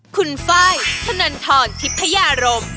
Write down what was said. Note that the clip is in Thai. คุณฟ้ายถนนทรทิพยารม